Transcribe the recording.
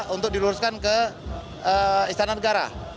untuk diluruskan ke istana negara